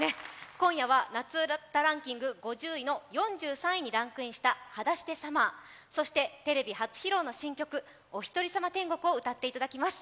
今夜は夏うたランキングの４３位にランクインした「裸足でＳｕｍｍｅｒ」そしてテレビ初披露の新曲「おひとりさま天国」を歌っていただきます。